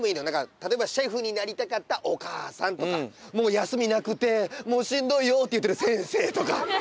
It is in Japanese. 例えばシェフになりたかったお母さんとか休みなくてもうしんどいよって言ってる先生とか。